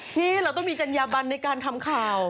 นี่เราต้องมีจัญญาบันในการทำข่าว